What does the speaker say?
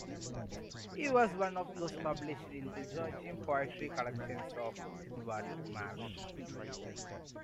He was one of those published in the Georgian poetry collections of Edward Marsh.